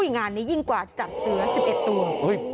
งานนี้ยิ่งกว่าจับเสือ๑๑ตัว